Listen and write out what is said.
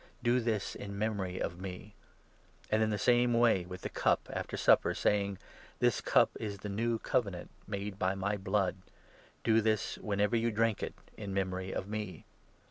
Do this in memory of me." And 25 in the same way with the cup, after supper, saying " This cup is the new Covenant made by my blood. Do this, whenever you drink it, in memory of me."